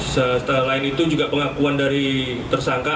setelah lain itu juga pengakuan dari tersangka